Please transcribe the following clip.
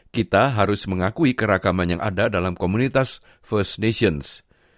kita harus mengakui keragaman yang ada dalam komunitas first nations